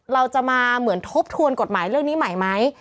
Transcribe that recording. เราจะมาเหมือนทบทวนกฎหมายเรื่องนี้ใหม่ไหม